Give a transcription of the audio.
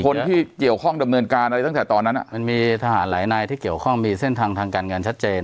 คนที่เกี่ยวข้องดำเนินการอะไรตั้งแต่ตอนนั้นมันมีทหารหลายนายที่เกี่ยวข้องมีเส้นทางทางการเงินชัดเจน